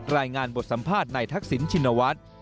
รายงานบทสัมภาษณ์ในทักษิณชินวัฒน์